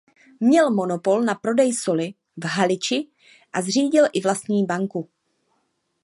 Měl monopol na prodej soli v Haliči a zřídil i vlastní banku.